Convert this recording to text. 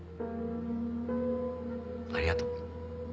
ありがとう。